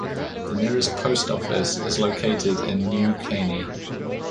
The nearest post office is located in New Caney.